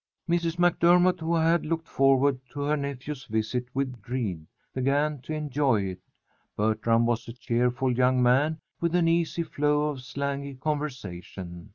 Mrs. MacDermott, who had looked forward to her nephew's visit with dread, began to enjoy it Bertram was a cheerful young man with an easy flow of slangy conversation.